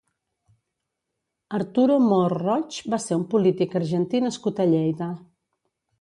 Arturo Mor Roig va ser un polític argentí nascut a Lleida.